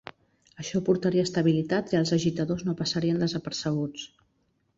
Això portaria estabilitat, i els agitadors no passarien desapercebuts.